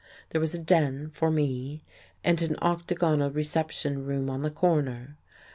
There was a "den" for me, and an octagonal reception room on the corner.